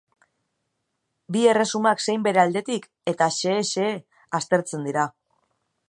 Bi erresumak zein bere aldetik, eta xehe-xehe, aztertzen dira.